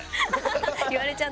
言われちゃった。